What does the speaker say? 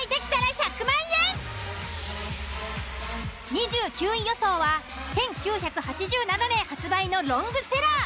２９位予想は１９８７年発売のロングセラー。